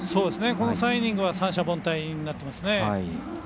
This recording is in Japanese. ３イニングは三者凡退になっていますね。